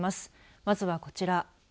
まずは、こちら。